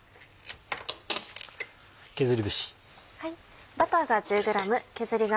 削り節。